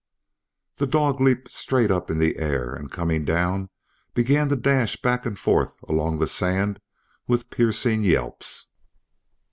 The dog leaped straight up in the air, and coming down, began to dash back and forth along the sand with piercing yelps.